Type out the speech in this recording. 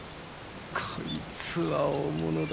こいつは大物だ。